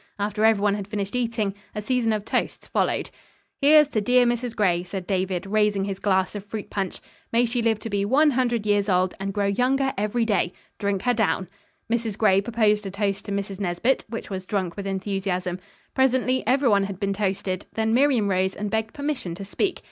After every one had finished eating, a season of toasts followed. "Here's to dear Mrs. Gray," said David, raising his glass of fruit punch, "May she live to be one hundred years old, and grow younger every day. Drink her down." Mrs. Gray proposed a toast to Mrs. Nesbit, which was drunk with enthusiasm. Presently every one had been toasted, then Miriam rose and begged permission to speak.